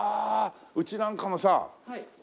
うちなんかもさ男びな